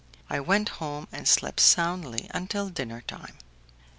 I went home and slept soundly until dinner time.